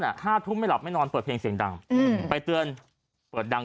ห้าทุ่มไม่หลับไม่นอนเปิดเพลงเสียงดังอืมไปเตือนเปิดดัง